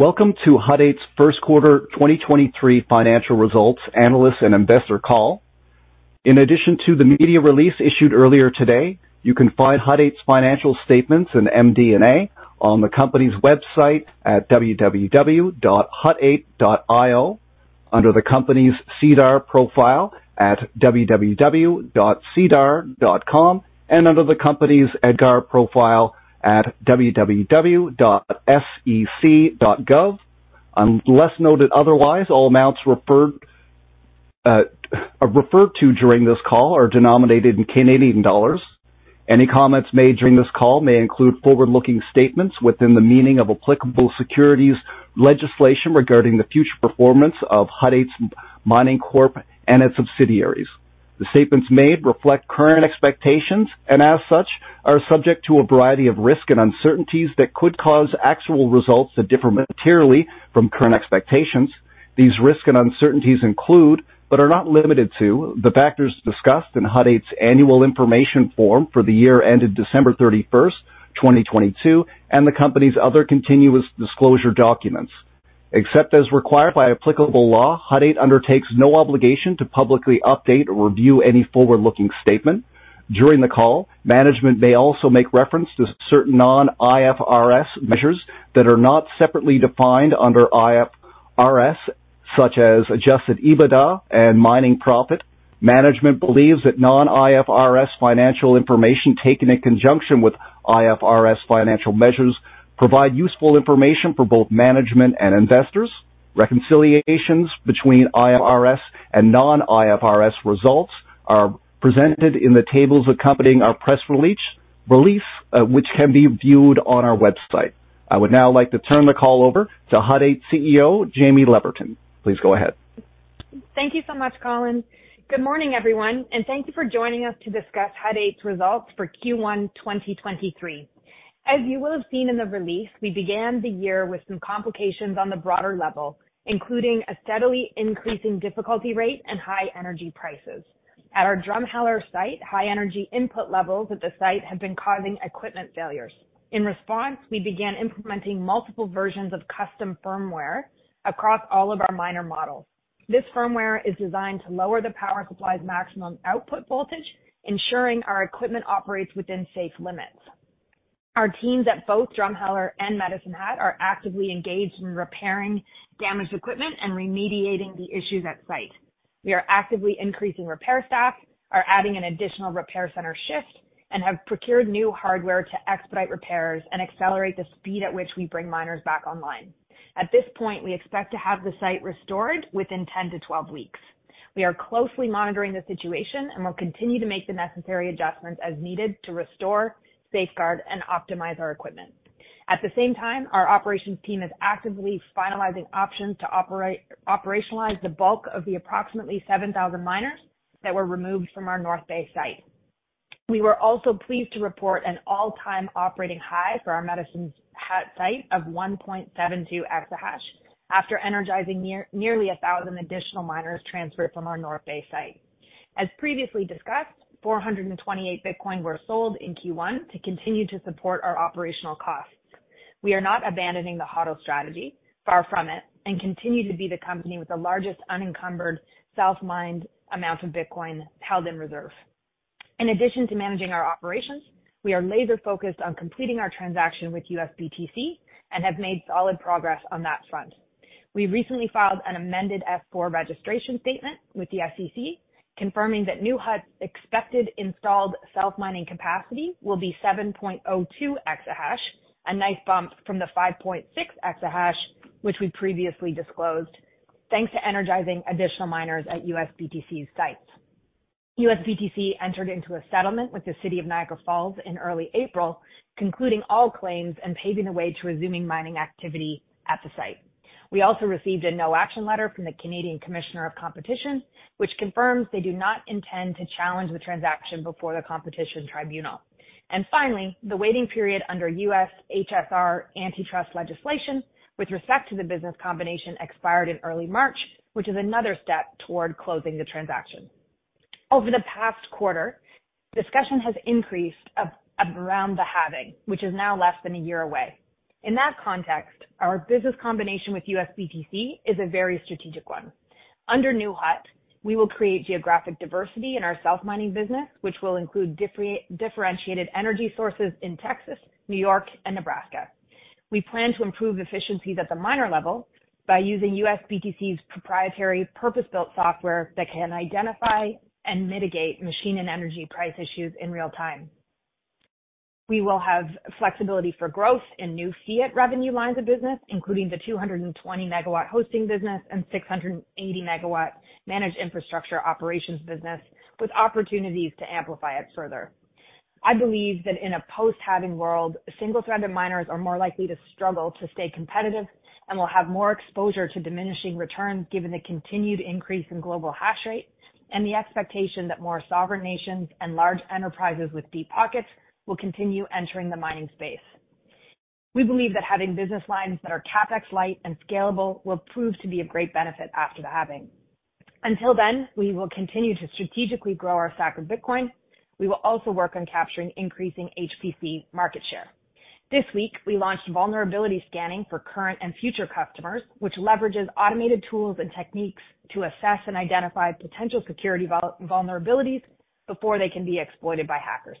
Welcome to Hut 8's first quarter 2023 financial results analyst and investor call. In addition to the media release issued earlier today, you can find Hut 8's financial statements and MD&A on the company's website at www.hut8.io, under the company's SEDAR profile at www.sedar.com and under the company's EDGAR profile at www.sec.gov. Unless noted otherwise, all amounts referred to during this call are denominated in Canadian dollars. Any comments made during this call may include forward-looking statements within the meaning of applicable securities legislation regarding the future performance of Hut 8 Mining Corp. and its subsidiaries. The statements made reflect current expectations and as such, are subject to a variety of risks and uncertainties that could cause actual results to differ materially from current expectations. These risks and uncertainties include, but are not limited to, the factors discussed in Hut 8's annual information form for the year ended December 31st, 2022, and the company's other continuous disclosure documents. Except as required by applicable law, Hut 8 undertakes no obligation to publicly update or review any forward-looking statement. During the call, management may also make reference to certain non-IFRS measures that are not separately defined under IFRS, such as Adjusted EBITDA and mining profit. Management believes that non-IFRS financial information taken in conjunction with IFRS financial measures provide useful information for both management and investors. Reconciliations between IFRS and non-IFRS results are presented in the tables accompanying our press release, which can be viewed on our website. I would now like to turn the call over to Hut 8 CEO, Jaime Leverton. Please go ahead. Thank you so much, Colin. Good morning, everyone, and thank you for joining us to discuss Hut 8's results for Q1 2023. As you will have seen in the release, we began the year with some complications on the broader level, including a steadily increasing difficulty rate and high energy prices. At our Drumheller site, high energy input levels at the site have been causing equipment failures. In response, we began implementing multiple versions of custom firmware across all of our miner models. This firmware is designed to lower the power supply's maximum output voltage, ensuring our equipment operates within safe limits. Our teams at both Drumheller and Medicine Hat are actively engaged in repairing damaged equipment and remediating the issues at site. We are actively increasing repair staff, are adding an additional repair center shift and have procured new hardware to expedite repairs and accelerate the speed at which we bring miners back online. At this point, we expect to have the site restored within 10-12 weeks. We are closely monitoring the situation and will continue to make the necessary adjustments as needed to restore, safeguard, and optimize our equipment. At the same time, our operations team is actively finalizing options to operationalize the bulk of the approximately 7,000 miners that were removed from our North Bay site. We were also pleased to report an all-time operating high for our Medicine Hat site of 1.72 exahash after energizing nearly 1,000 additional miners transferred from our North Bay site. As previously discussed, 428 Bitcoin were sold in Q1 to continue to support our operational costs. We are not abandoning the HODL strategy, far from it, and continue to be the company with the largest unencumbered self-mined amount of Bitcoin held in reserve. In addition to managing our operations, we are laser-focused on completing our transaction with USBTC and have made solid progress on that front. We recently filed an amended Form F-4 registration statement with the SEC, confirming that New Hut's expected installed self-mining capacity will be 7.02 exahash, a nice bump from the 5.6 exahash which we previously disclosed, thanks to energizing additional miners at USBTC's sites. USBTC entered into a settlement with the City of Niagara Falls in early April, concluding all claims and paving the way to resuming mining activity at the site. We also received a no action letter from the Canadian Commissioner of Competition, which confirms they do not intend to challenge the transaction before the Competition Tribunal. Finally, the waiting period under U.S. HSR antitrust legislation with respect to the business combination expired in early March, which is another step toward closing the transaction. Over the past quarter, discussion has increased around the halving, which is now less than a year away. In that context, our business combination with USBTC is a very strategic one. Under New Hut, we will create geographic diversity in our self-mining business, which will include differentiated energy sources in Texas, New York and Nebraska. We plan to improve efficiencies at the miner level by using USBTC's proprietary purpose-built software that can identify and mitigate machine and energy price issues in real time. We will have flexibility for growth in new fiat revenue lines of business, including the 220 megawatt hosting business and 680 megawatt managed infrastructure operations business, with opportunities to amplify it further. I believe that in a post-halving world, single-threaded miners are more likely to struggle to stay competitive and will have more exposure to diminishing returns given the continued increase in global hash rate and the expectation that more sovereign nations and large enterprises with deep pockets will continue entering the mining space. We believe that having business lines that are CapEx light and scalable will prove to be of great benefit after the halving. Until then, we will continue to strategically grow our stack of Bitcoin. We will also work on capturing increasing HPC market share. This week, we launched vulnerability scanning for current and future customers, which leverages automated tools and techniques to assess and identify potential security vulnerabilities before they can be exploited by hackers.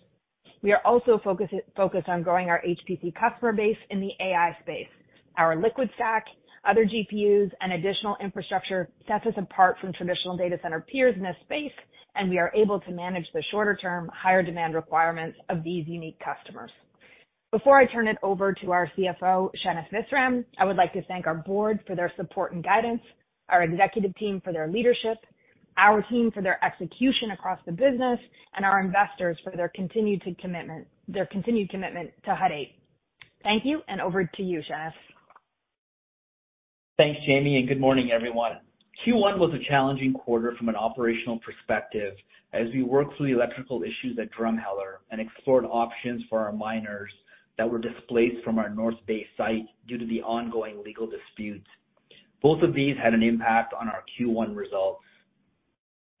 We are also focused on growing our HPC customer base in the AI space. Our liquid stack, other GPUs, and additional infrastructure sets us apart from traditional data center peers in this space, and we are able to manage the shorter-term, higher demand requirements of these unique customers. Before I turn it over to our CFO, Shenif Visram, I would like to thank our board for their support and guidance, our executive team for their leadership, our team for their execution across the business, and our investors for their continued commitment to Hut 8. Thank you. Over to you, Shenif. Thanks, Jaime, and good morning, everyone. Q1 was a challenging quarter from an operational perspective as we worked through the electrical issues at Drumheller and explored options for our miners that were displaced from our North Bay site due to the ongoing legal disputes. Both of these had an impact on our Q1 results.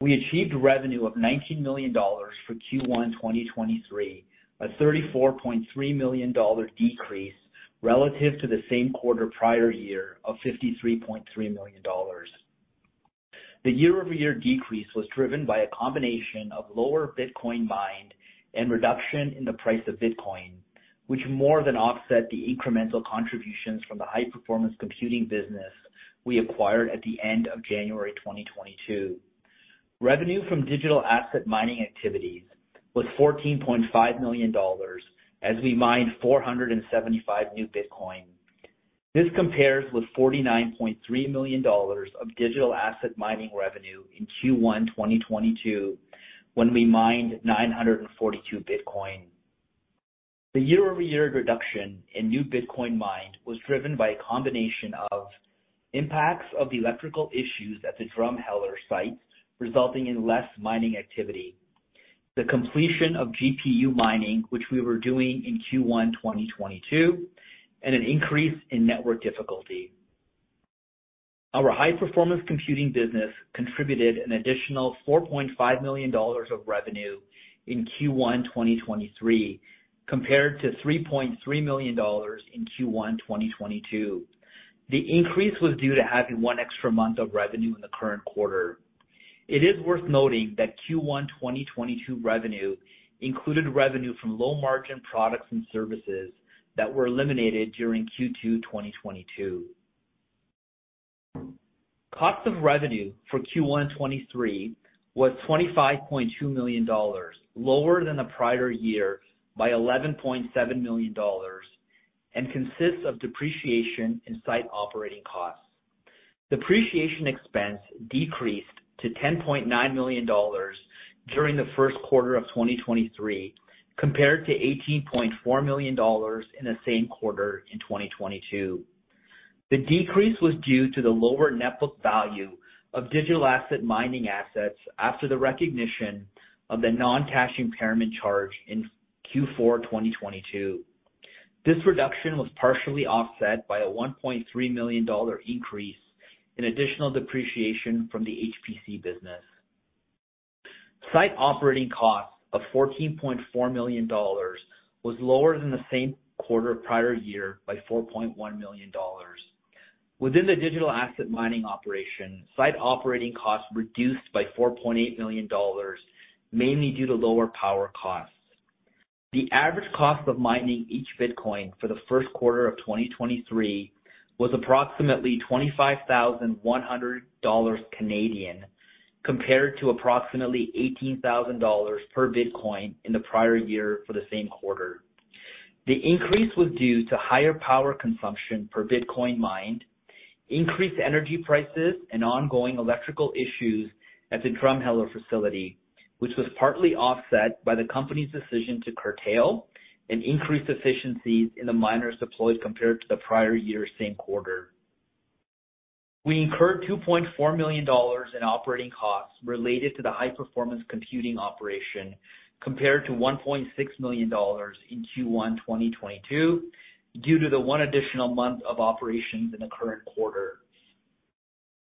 We achieved revenue of 19 million dollars for Q1 2023, a 34.3 million dollar decrease relative to the same quarter prior year of 53.3 million dollars. The year-over-year decrease was driven by a combination of lower Bitcoin mined and reduction in the price of Bitcoin, which more than offset the incremental contributions from the high-performance computing business we acquired at the end of January 2022. Revenue from digital asset mining activities was 14.5 million dollars as we mined 475 new Bitcoin. This compares with 49.3 million dollars of digital asset mining revenue in Q1 2022 when we mined 942 Bitcoin. The year-over-year reduction in new Bitcoin mined was driven by a combination of impacts of the electrical issues at the Drumheller site, resulting in less mining activity, the completion of GPU mining, which we were doing in Q1 2022, and an increase in network difficulty. Our high-performance computing business contributed an additional 4.5 million dollars of revenue in Q1 2023, compared to 3.3 million dollars in Q1 2022. The increase was due to having one extra month of revenue in the current quarter. It is worth noting that Q1 2022 revenue included revenue from low-margin products and services that were eliminated during Q2 2022. Cost of revenue for Q1 2023 was $25.2 million, lower than the prior year by $11.7 million, and consists of depreciation and site operating costs. Depreciation expense decreased to $10.9 million during the first quarter of 2023, compared to $18.4 million in the same quarter in 2022. The decrease was due to the lower net book value of digital asset mining assets after the recognition of the non-cash impairment charge in Q4 2022. This reduction was partially offset by a $1.3 million increase in additional depreciation from the HPC business. Site operating costs of $14.4 million was lower than the same quarter prior year by $4.1 million. Within the digital asset mining operation, site operating costs reduced by $4.8 million, mainly due to lower power costs. The average cost of mining each Bitcoin for the first quarter of 2023 was approximately 25,100 Canadian dollars, compared to approximately 18,000 dollars per Bitcoin in the prior year for the same quarter. The increase was due to higher power consumption per Bitcoin mined, increased energy prices, and ongoing electrical issues at the Drumheller facility, which was partly offset by the company's decision to curtail and increase efficiencies in the miners deployed compared to the prior year same quarter. We incurred 2.4 million dollars in operating costs related to the high-performance computing operation, compared to 1.6 million dollars in Q1 2022, due to the 1 additional month of operations in the current quarter.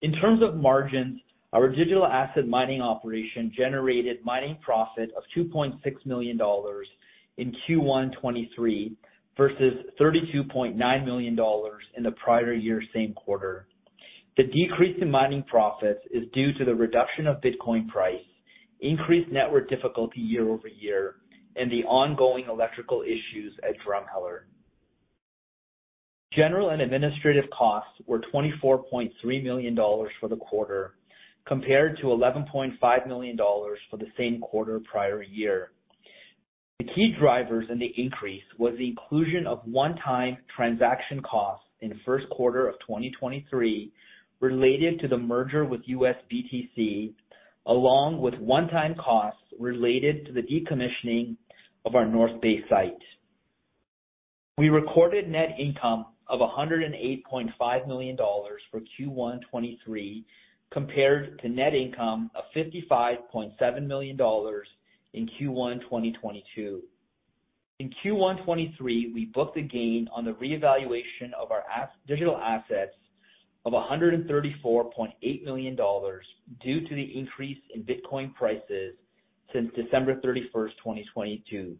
In terms of margins, our digital asset mining operation generated mining profit of 2.6 million dollars in Q1 2023 versus 32.9 million dollars in the prior year same quarter. The decrease in mining profits is due to the reduction of Bitcoin price, increased network difficulty year-over-year, and the ongoing electrical issues at Drumheller. General and administrative costs were 24.3 million dollars for the quarter, compared to 11.5 million dollars for the same quarter prior year. The key drivers in the increase was the inclusion of one-time transaction costs in the first quarter of 2023 related to the merger with USBTC, along with one-time costs related to the decommissioning of our North Bay site. We recorded net income of 108.5 million dollars for Q1 2023, compared to net income of 55.7 million dollars in Q1 2022. In Q1 2023, we booked a gain on the reevaluation of our as- digital assets of 134.8 million dollars due to the increase in Bitcoin prices since December 31, 2022.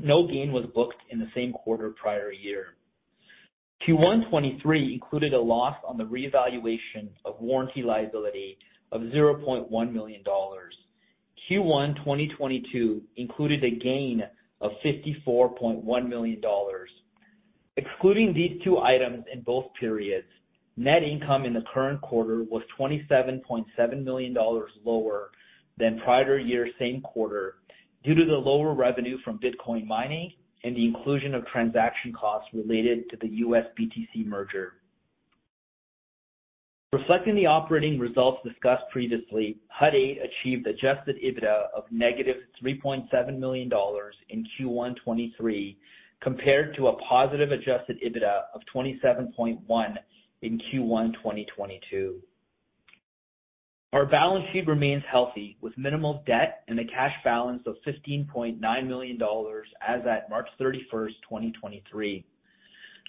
No gain was booked in the same quarter prior year. Q1 2023 included a loss on the reevaluation of warranty liability of 0.1 million dollars. Q1 2022 included a gain of 54.1 million dollars. Excluding these two items in both periods, net income in the current quarter was 27.7 million dollars lower than prior year same quarter due to the lower revenue from Bitcoin mining and the inclusion of transaction costs related to the USBTC merger. Reflecting the operating results discussed previously, Hut 8 achieved Adjusted EBITDA of -$3.7 million in Q1 2023 compared to a positive Adjusted EBITDA of $27.1 in Q1 2022. Our balance sheet remains healthy, with minimal debt and a cash balance of $15.9 million as at March 31, 2023.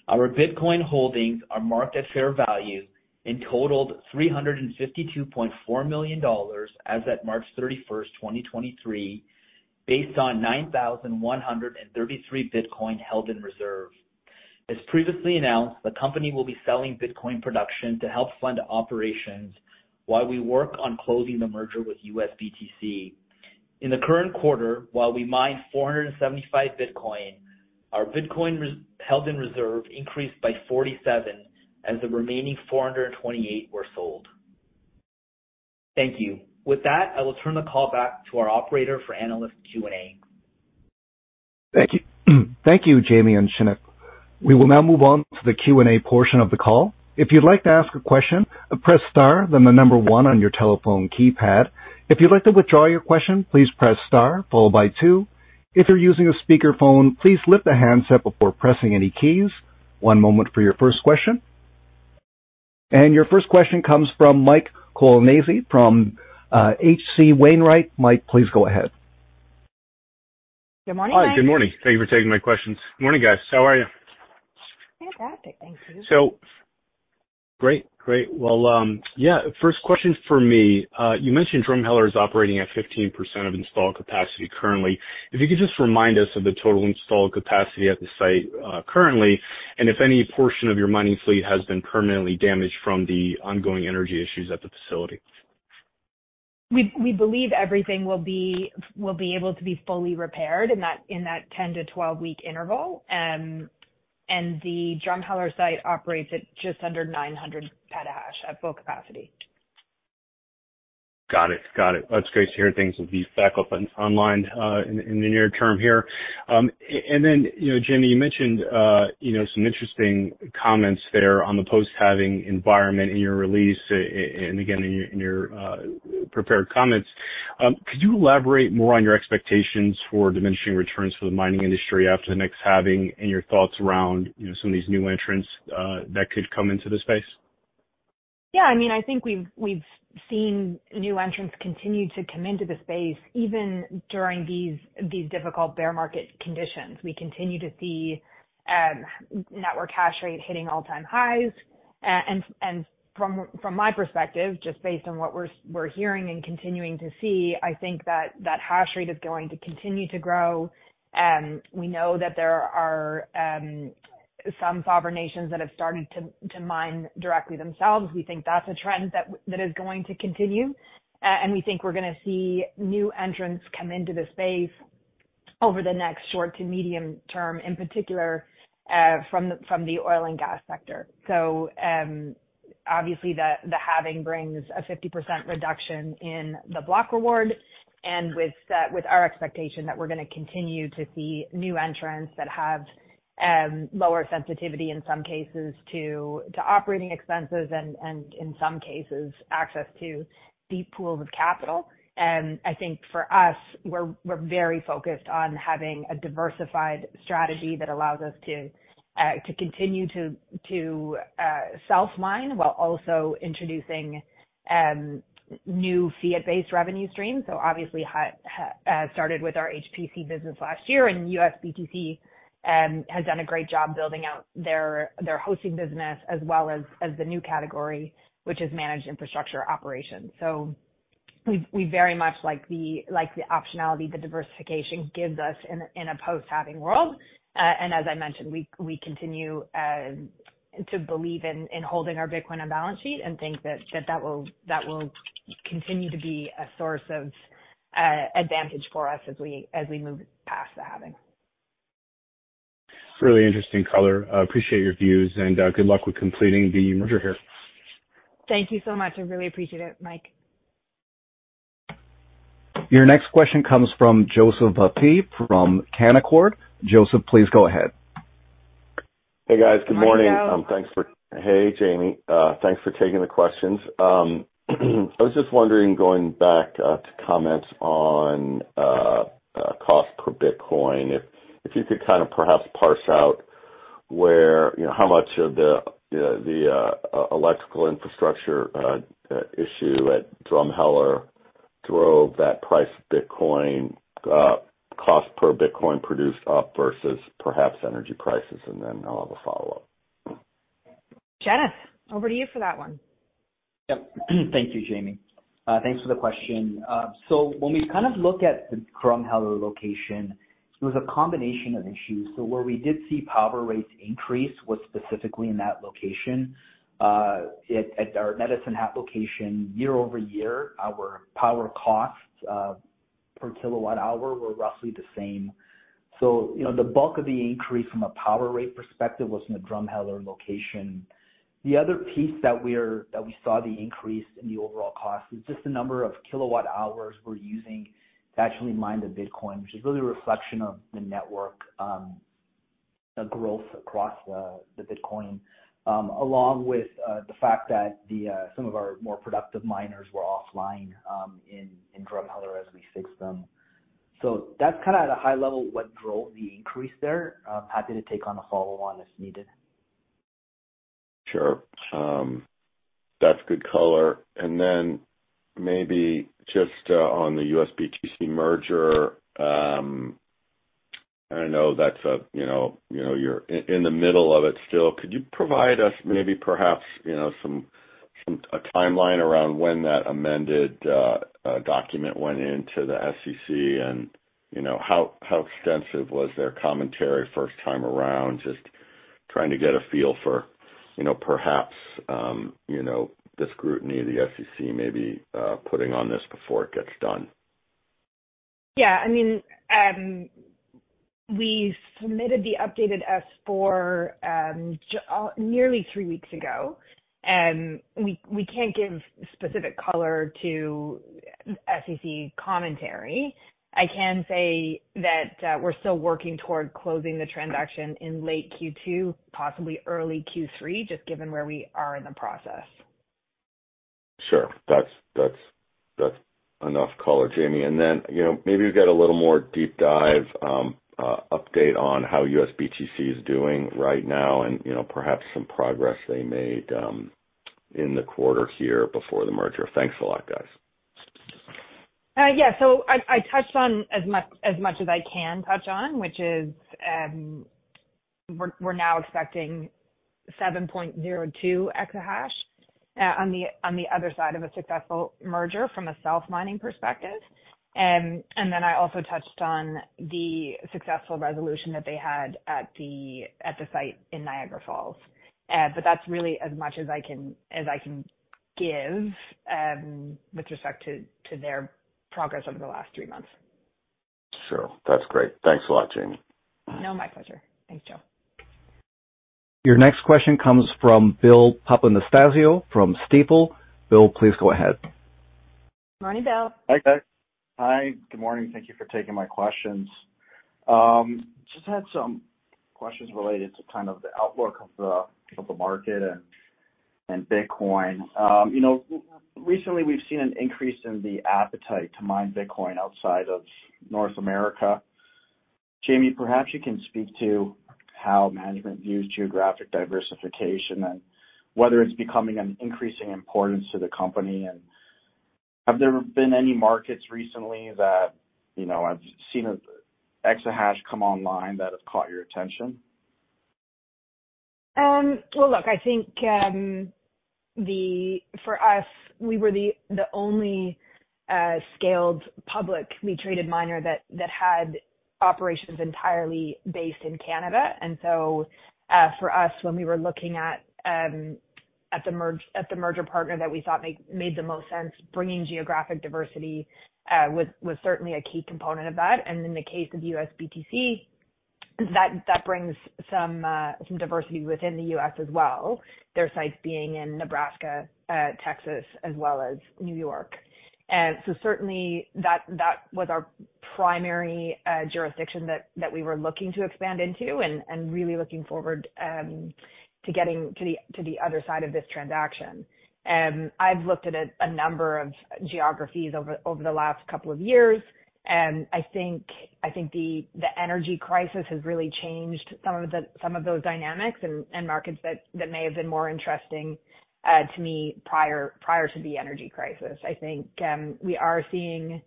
Our Bitcoin holdings are marked at fair value and totaled $352.4 million as at March 31, 2023, based on 9,133 Bitcoin held in reserve. As previously announced, the company will be selling Bitcoin production to help fund operations while we work on closing the merger with USBTC. In the current quarter, while we mined 475 Bitcoin, our Bitcoin held in reserve increased by 47 as the remaining 428 were sold. Thank you. With that, I will turn the call back to our operator for analyst Q&A. Thank you. Thank you, Jaime and Shenif. We will now move on to the Q&A portion of the call. If you'd like to ask a question, press star, then the one on your telephone keypad. If you'd like to withdraw your question, please press star followed by 2. If you're using a speakerphone, please lift the handset before pressing any keys. One moment for your first question. Your first question comes from Mike Colonnese from H.C. Wainwright. Mike, please go ahead. Good morning, Mike. Hi, good morning. Thank you for taking my questions. Morning, guys. How are you? Fantastic, thank you. Great. Great. Well, yeah, first question from me. You mentioned Drumheller is operating at 15% of installed capacity currently. If you could just remind us of the total installed capacity at the site currently, and if any portion of your mining fleet has been permanently damaged from the ongoing energy issues at the facility? We believe everything will be able to be fully repaired in that 10 to 12-week interval. The Drumheller site operates at just under 900 petahash at full capacity. Got it. Got it. That's great to hear things will be back up online in the near term here. Then, you know, Jaime, you mentioned, you know, some interesting comments there on the post-halving environment in your release, and again, in your prepared comments. Could you elaborate more on your expectations for diminishing returns for the mining industry after the next halving and your thoughts around, you know, some of these new entrants that could come into the space? I mean, I think we've seen new entrants continue to come into the space, even during these difficult bear market conditions. We continue to see network hash rate hitting all-time highs. From my perspective, just based on what we're hearing and continuing to see, I think that hash rate is going to continue to grow. We know that there are some sovereign nations that have started to mine directly themselves. We think that's a trend that is going to continue. We think we're gonna see new entrants come into the space over the next short to medium term, in particular, from the oil and gas sector. Obviously the halving brings a 50% reduction in the block reward and with our expectation that we're gonna continue to see new entrants that have lower sensitivity in some cases to operating expenses and in some cases, access to deep pools of capital. I think for us, we're very focused on having a diversified strategy that allows us to continue to self-mine while also introducing new fiat-based revenue streams. Obviously, Hut started with our HPC business last year, and USBTC has done a great job building out their hosting business as well as the new category, which is managed infrastructure operations. We very much like the optionality the diversification gives us in a post-halving world. As I mentioned, we continue to believe in holding our Bitcoin on balance sheet and think that will continue to be a source of advantage for us as we move past the halving. It's really interesting color. I appreciate your views and good luck with completing the merger here. Thank you so much. I really appreciate it, Mike. Your next question comes from Joseph Voci from Canaccord Genuity. Joseph, please go ahead. Hey, guys. Good morning. Hi, Joe. g the questions. I was just wondering, going back to comments on cost per Bitcoin, if you could perhaps parse out where how much of the electrical infrastructure issue at Drumheller drove that price Bitcoin cost per Bitcoin produced up versus perhaps energy prices? Then I'll have a follow-up. Jaime Leverton, over to you for that one. Yep. Thank you, Jaime. Thanks for the question. When we kind of look at the Drumheller location, it was a combination of issues. Where we did see power rates increase was specifically in that location. At our Medicine Hat location, year-over-year, our power costs per kilowatt hour were roughly the same. You know, the bulk of the increase from a power rate perspective was in the Drumheller location. The other piece that we saw the increase in the overall cost was just the number of kilowatt hours we're using to actually mine the Bitcoin, which is really a reflection of the network growth across the Bitcoin, along with the fact that some of our more productive miners were offline in Drumheller as we fixed them. That's kinda at a high level what drove the increase there. I'm happy to take on a follow-on if needed. Sure. That's good color. Maybe just on the USBTC merger, I know that's a, you know, you know, you're in the middle of it still. Could you provide us maybe perhaps, you know, some a timeline around when that amended document went into the SEC? You know, how extensive was their commentary first time around? Just trying to get a feel for, you know, perhaps, you know, the scrutiny the SEC may be putting on this before it gets done. Yeah. I mean, we submitted the updated S-4 nearly three weeks ago. We can't give specific color to SEC commentary. I can say that we're still working toward closing the transaction in late Q2, possibly early Q3, just given where we are in the process. Sure. That's enough color, Jaime. Then, you know, maybe you've got a little more deep dive update on how USBTC is doing right now and, you know, perhaps some progress they made in the quarter here before the merger. Thanks a lot, guys. Yeah. I touched on as much as I can touch on, which is, we're now expecting 7.02 exahash on the other side of a successful merger from a self-mining perspective. I also touched on the successful resolution that they had at the site in Niagara Falls. That's really as much as I can give with respect to their progress over the last three months. Sure. That's great. Thanks a lot, Jaime. No, my pleasure. Thanks, Joe. Your next question comes from Bill Papanastasiou from Stifel. Bill, please go ahead. Morning, Bill. Hi, guys. Hi. Good morning. Thank you for taking my questions. Just had some questions related to kind of the outlook of the market and Bitcoin. You know, recently we've seen an increase in the appetite to mine Bitcoin outside of North America. Jaime, perhaps you can speak to how management views geographic diversification and whether it's becoming an increasing importance to the company. Have there been any markets recently that, you know, have seen exahash come online that have caught your attention? Well, look, I think, for us, we were the only scaled publicly traded miner that had operations entirely based in Canada. For us, when we were looking at the merger partner that we thought made the most sense, bringing geographic diversity, was certainly a key component of that. In the case of USBTC, that brings some diversity within the U.S. as well, their sites being in Nebraska, Texas, as well as New York. Certainly that was our primary jurisdiction that we were looking to expand into and really looking forward to getting to the other side of this transaction. I've looked at a number of geographies over the last couple of years, and I think the energy crisis has really changed some of those dynamics and markets that may have been more interesting to me prior to the energy crisis. I think, we are seeing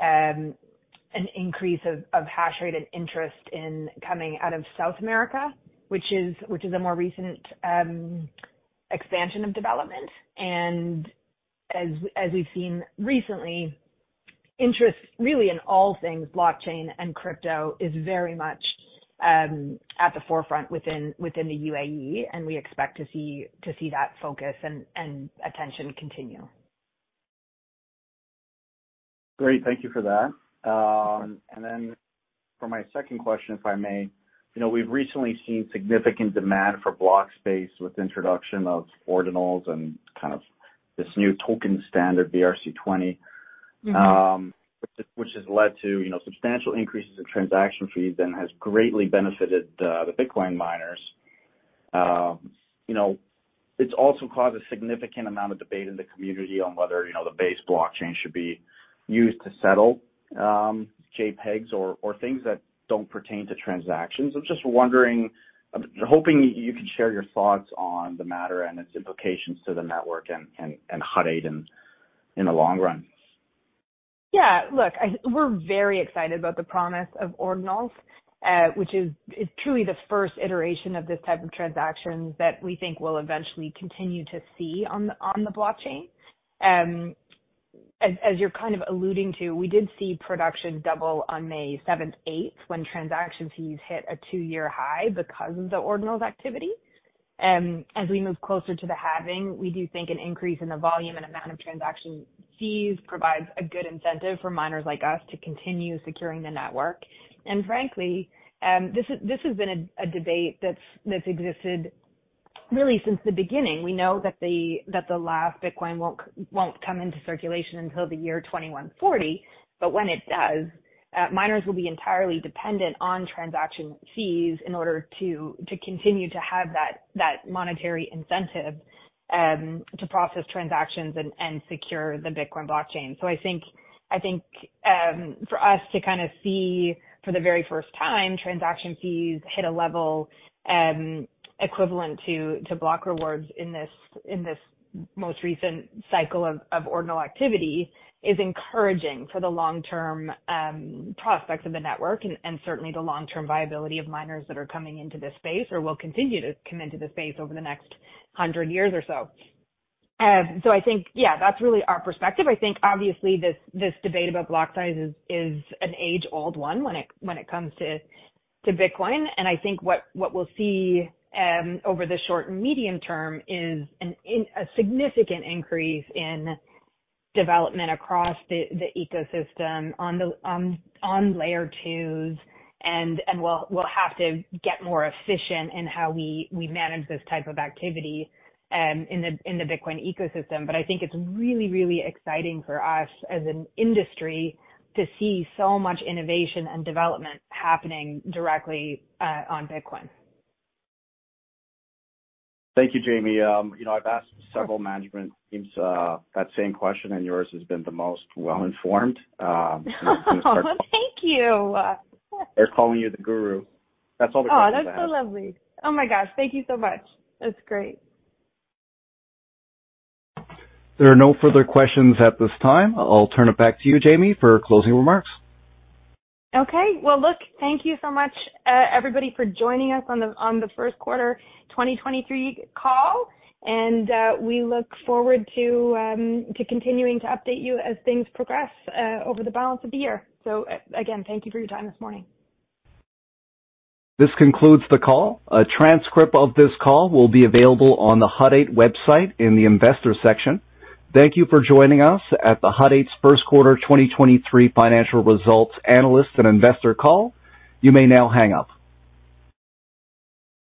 an increase of hash rate and interest in coming out of South America, which is a more recent expansion of development. As we've seen recently, interest really in all things blockchain and crypto is very much at the forefront within the UAE, and we expect to see that focus and attention continue. Great. Thank you for that. For my second question, if I may. You know, we've recently seen significant demand for block space with introduction of Ordinals and kind of this new token standard, BRC20. Mm-hmm... which has led to, you know, substantial increases in transaction fees and has greatly benefited the Bitcoin miners. You know, it's also caused a significant amount of debate in the community on whether, you know, the base blockchain should be used to settle JPEGs or things that don't pertain to transactions. I'm just wondering, hoping you could share your thoughts on the matter and its implications to the network and Hut 8 in the long run. Yeah. Look, we're very excited about the promise of Ordinals, which is truly the first iteration of this type of transactions that we think we'll eventually continue to see on the blockchain. As you're kind of alluding to, we did see production double on May seventh, eighth when transaction fees hit a 2-year high because of the Ordinals activity. As we move closer to the halving, we do think an increase in the volume and amount of transaction fees provides a good incentive for miners like us to continue securing the network. Frankly, this has been a debate that's existed really since the beginning. We know that the last Bitcoin won't come into circulation until the year 2140. When it does, miners will be entirely dependent on transaction fees in order to continue to have that monetary incentive to process transactions and secure the Bitcoin blockchain. I think for us to kind of see for the very first time transaction fees hit a level equivalent to block rewards in this most recent cycle of Ordinal activity is encouraging for the long-term prospects of the network and certainly the long-term viability of miners that are coming into this space or will continue to come into this space over the next 100 years or so. I think, yeah, that's really our perspective. I think obviously this debate about block size is an age-old one when it comes to Bitcoin. I think what we'll see over the short and medium term is a significant increase in development across the ecosystem on layer 2s and we'll have to get more efficient in how we manage this type of activity in the Bitcoin ecosystem. I think it's really exciting for us as an industry to see so much innovation and development happening directly on Bitcoin. Thank you, Jaime. You know, I've asked several management teams, that same question, and yours has been the most well informed. Thank you. They're calling you the guru. That's all they're asking. Oh, that's so lovely. Oh my gosh, thank you so much. That's great. There are no further questions at this time. I'll turn it back to you, Jaime, for closing remarks. Okay. Well, look, thank you so much, everybody for joining us on the first quarter 2023 call. We look forward to continuing to update you as things progress over the balance of the year. Again, thank you for your time this morning. This concludes the call. A transcript of this call will be available on the Hut 8 website in the investor section. Thank you for joining us at the Hut 8's first quarter 2023 financial results analysis and investor call. You may now hang up.